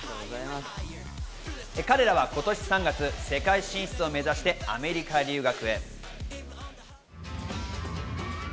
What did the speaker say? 彼らは今年３月、世界進出を目指してアメリカ留学。